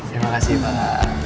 terima kasih pak